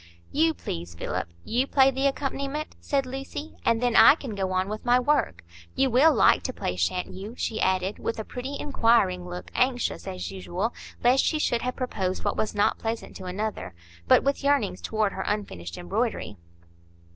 "You, please, Philip,—you play the accompaniment," said Lucy, "and then I can go on with my work. You will like to play, sha'n't you?" she added, with a pretty, inquiring look, anxious, as usual, lest she should have proposed what was not pleasant to another; but with yearnings toward her unfinished embroidery.